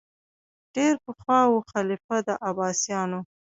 ډېر پخوا وو خلیفه د عباسیانو